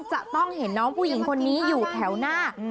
จะต้องเห็นน้องผู้หญิงคนนี้อยู่แถวหน้า